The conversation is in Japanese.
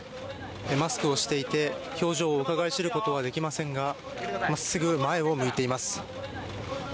マスクをして、表情をうかがい知ることはできませんが真っすぐ前を向いています。